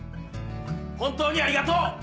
本当にありがとう！